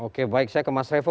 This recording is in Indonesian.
oke baik saya ke mas revo